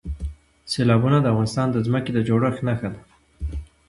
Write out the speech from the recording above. سیلابونه د افغانستان د ځمکې د جوړښت نښه ده.